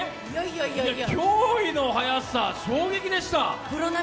驚異の速さ、衝撃でした。